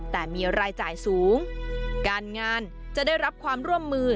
แต่มีรายจ่ายสูงการงานจะได้รับความร่วมมือ